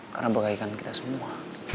karena berkaitan kita semua